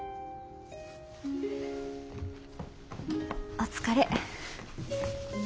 お疲れ。